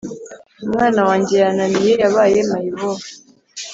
Umwana wanjye yananiye yabaye mayibobo